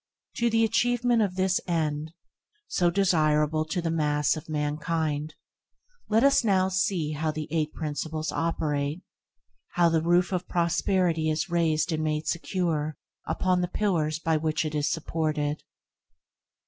To the achievement of this end, so desirable to the mass of mankind, let us now see how the eight principles operate, how the roof of prosperity is raised and made secure upon the pillars by which it is supported.